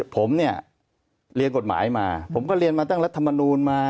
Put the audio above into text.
ผมเรียนกฎหมายมาผมก็เรียนมาตั้งรัฐบาลนูนมา